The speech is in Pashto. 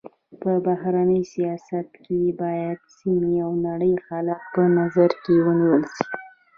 په بهرني سیاست کي باید سيمي او نړۍ حالت په نظر کي ونیول سي.